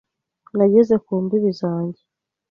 Nageze ku mbibi zanjye.